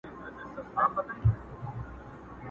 په دې پانوس کي نصیب زر ځله منلی یمه!.